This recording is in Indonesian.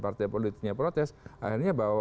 partai politiknya protes akhirnya bahwa